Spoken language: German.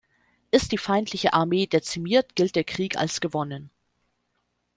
Ist die feindliche Armee dezimiert, gilt der Krieg als gewonnen.